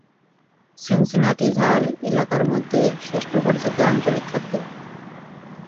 Cincinnati ঝাল এলাকার মধ্যে "শ্রেষ্ঠ পরিচিত আঞ্চলিক খাদ্য"।